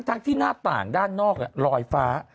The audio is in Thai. ทั้งที่หน้าต่างด้านนอกลอยฟ้า